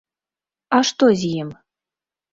А што з ім?